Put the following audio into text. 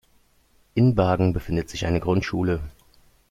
In Bargen befindet sich eine Grundschule.